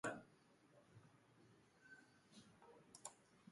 Hutsune handia uzten duzu gure taldean.